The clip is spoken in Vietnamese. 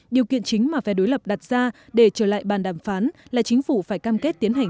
điều kiện chính mà phe đối lập đặt ra để trở lại bàn đàm phán là chính phủ phải cam kết tiến hành